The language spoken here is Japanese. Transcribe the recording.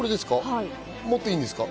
持っていいんですか？